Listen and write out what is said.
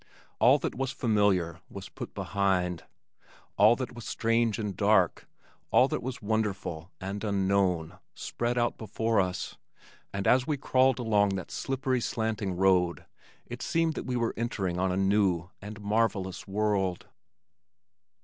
All that was familiar was put behind; all that was strange and dark, all that was wonderful and unknown, spread out before us, and as we crawled along that slippery, slanting road, it seemed that we were entering on a new and marvellous world.